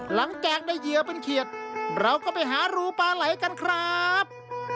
หลังจากได้เหยื่อเป็นเขียดเราก็ไปหารูปาไหลกันครับ